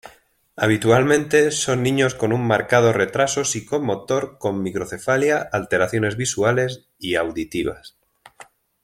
Habitualmente son niños con un marcado retraso psicomotor con microcefalia, alteraciones visuales y auditivas.